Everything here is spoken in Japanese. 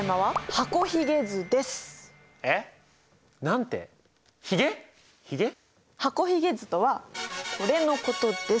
箱ひげ図とはこれのことです。